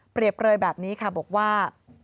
เปรียบร้อยแบบนี้ค่ะบอกว่า